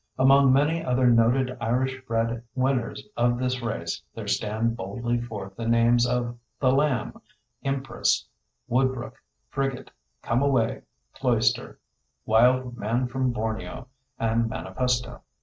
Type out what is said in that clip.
Among many other noted Irish bred winners of this race there stand boldly forth the names of The Lamb, Empress, Woodbrook, Frigate, Come Away, Cloister, Wild Man from Borneo, and Manifesto.